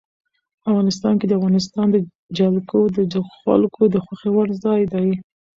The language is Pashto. افغانستان کې د افغانستان جلکو د خلکو د خوښې وړ ځای دی.